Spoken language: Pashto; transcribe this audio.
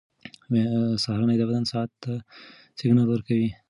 سهارنۍ د بدن ساعت ته سیګنال ورکوي.